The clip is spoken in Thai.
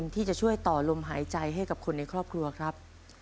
ที่จะช่วยต่อลมหายใจให้กับคนในครอบครัวครับ